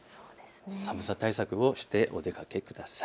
寒さ対策をしてお出かけください。